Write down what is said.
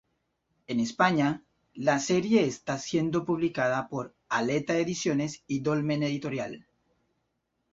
En España la serie está siendo publicada por Aleta Ediciones y Dolmen Editorial.